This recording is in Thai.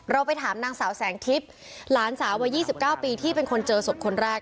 ไปถามนางสาวแสงทิพย์หลานสาววัย๒๙ปีที่เป็นคนเจอศพคนแรก